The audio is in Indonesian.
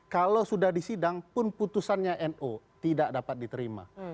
kalau sudah disidang pun putusannya no tidak dapat diterima